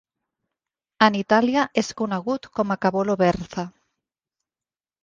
En Itàlia és conegut com a "cavolo verza".